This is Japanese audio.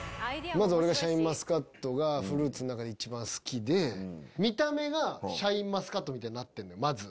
まず俺が、シャインマスカットがフルーツの中で一番好きで、見た目がシャインマスカットみたいになってるのよ、まず。